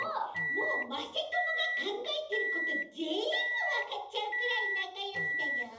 もうまさともがかんがえてることぜんぶわかっちゃうくらいなかよしだよ。